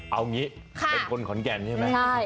เอางี้เป็นคนขอนแก่นใช่ไหม